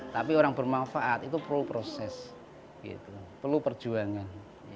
tapi orang bermanfaat itu perlu proses perlu perjuangan